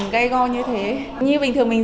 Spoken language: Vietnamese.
gay go như thế như bình thường mình